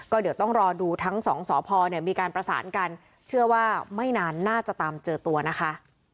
ก็เดี๋ยวต้องรอดูทั้งสองสพเนี่ยมีการประสานกันเชื่อว่าไม่นานน่าจะตามเจอตัวนะคะ